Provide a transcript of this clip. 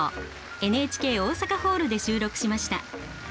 ＮＨＫ大阪ホールで収録しました。